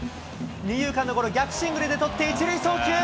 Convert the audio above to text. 二遊間の、この逆シングルで捕って１塁送球。